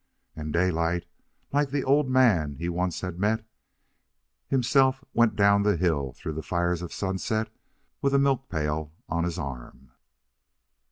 And Daylight, like the old man he once had met, himself went down the hill through the fires of sunset with a milk pail on his arm.